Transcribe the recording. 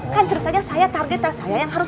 kan ceritanya saya targetnya saya yang harus